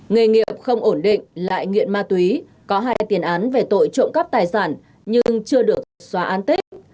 nghề nghiệp không ổn định lại nghiện ma túy có hai tiền án về tội trộm cắp tài sản nhưng chưa được xóa an tích